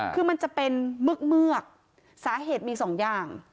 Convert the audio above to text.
คือมันจะเป็นเมือกเมือกสาเหตุมีสองอย่าง